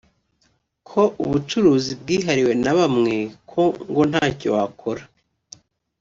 ko ubucuruzi bwihariwe na bamwe ko ngo ntacyo wakora